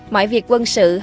mọi việc quân sửa